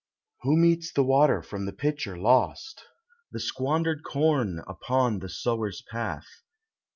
Who metes the water from the pitcher lost? The squandered corn upon the sower's path?